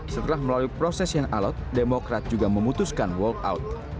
setelah melalui proses yang alot demokrat juga memutuskan walk out